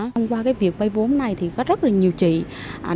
thông qua cái việc bây vốn này thì có rất là nhiều chuyện